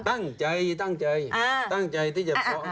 ตั้งใจตั้งใจที่จะฟ้อง